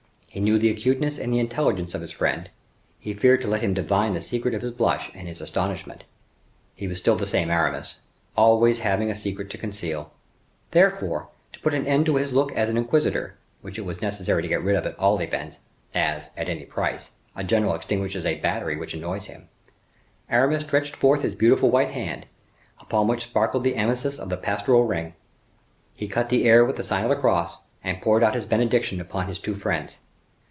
He knew the acuteness and intelligence of his friend; he feared to let him divine the secret of his blush and his astonishment. He was still the same Aramis, always having a secret to conceal. Therefore, to put an end to his look of an inquisitor, which it was necessary to get rid of at all events, as, at any price, a general extinguishes a battery which annoys him, Aramis stretched forth his beautiful white hand, upon which sparkled the amethyst of the pastoral ring; he cut the air with sign of the cross, and poured out his benediction upon his two friends.